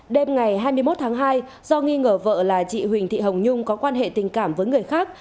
đêm ngày hai mươi một tháng hai do nghi ngờ vợ là chị huỳnh thị hồng nhung có quan hệ tình cảm với người khác